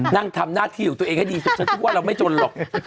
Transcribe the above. นั่งทำหน้าที่ของตัวเองให้ดีสุดฉันคิดว่าเราไม่จนหรอก